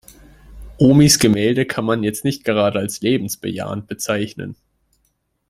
Omis Gemälde kann man jetzt nicht gerade als lebensbejahend bezeichnen.